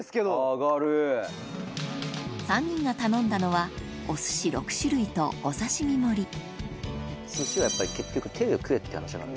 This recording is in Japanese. ３人が頼んだのはお寿司６種類とお刺し身盛り寿司は結局手で食えって話なんだ。